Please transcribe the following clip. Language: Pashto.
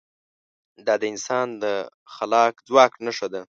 دا د انسان د خلاق ځواک نښه ده.